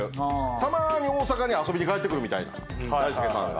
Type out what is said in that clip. たまに大阪に遊びに帰って来るみたいな大輔さんが。